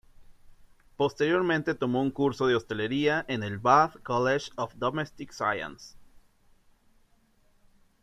Posteriormente tomó un curso de hostelería en el Bath College of Domestic Science.